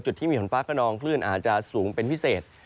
ที่มีฝนฟ้าขนองคลื่นอาจจะสูงเป็นพิเศษ